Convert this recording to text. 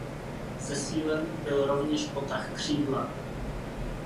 Zesílen byl rovněž potah křídla.